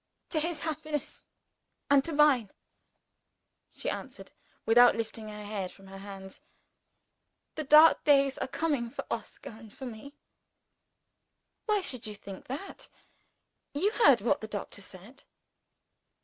"To his happiness and to mine," she answered, without lifting her head from her hands. "The dark days are coming for Oscar and for me." "Why should you think that? You heard what the doctor said."